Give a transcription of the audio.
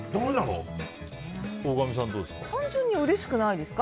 大神さん、どうですか？